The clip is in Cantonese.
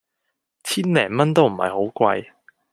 千零蚊都唔係好貴